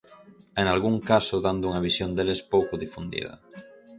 E nalgún caso dando unha visión deles pouco difundida.